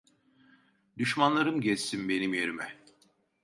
Düşmanlarım gezsin benim yerime.